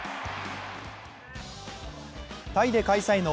タイで開催の